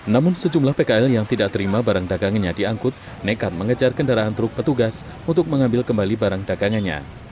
namun sejumlah pkl yang tidak terima barang dagangannya diangkut nekat mengejar kendaraan truk petugas untuk mengambil kembali barang dagangannya